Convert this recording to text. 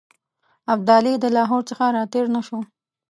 ابدالي د لاهور څخه را تېر نه شو.